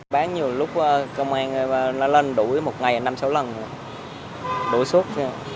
bán nhiều lúc công an nó lên đuổi một ngày năm sáu lần đuổi suốt